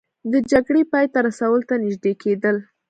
د جګړې پای ته رسولو ته نژدې کیدل